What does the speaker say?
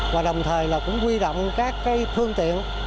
và đồng thời là cũng quy rộng các cái phương tiện